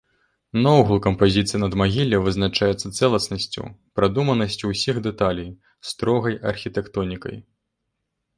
Наогул кампазіцыя надмагілля вызначаецца цэласнасцю, прадуманасцю ўсіх дэталей, строгай архітэктонікай.